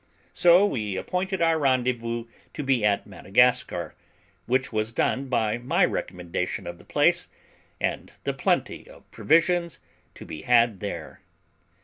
So we appointed our rendezvous to be at Madagascar, which was done by my recommendation of the place, and the plenty of provisions to be had there.